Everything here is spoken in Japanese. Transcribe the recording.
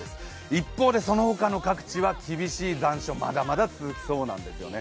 一方でその他の各地は厳しい残暑がまだまだ続きそうなんですよね。